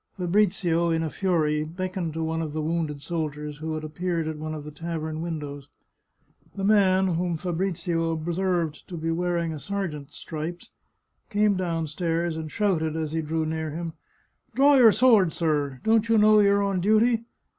Fabrizio, in a fury, beckoned to one of the wounded soldiers who had appeared at one of the tavern windows. The man, whom Fabrizio observed to be wearing a ser geant's stripes, came downstairs, and shouted, as he drew near him, " Draw your sword, sir ! Don't you know you're on duty